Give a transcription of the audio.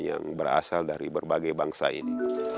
yang berasal dari berbagai bangsa ini